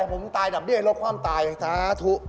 โอ้โฮทำไมยังรู้